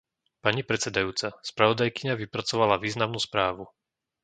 Pani predsedajúca, spravodajkyňa vypracovala významnú správu.